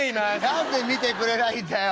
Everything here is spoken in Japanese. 「何で見てくれないんだよ？」。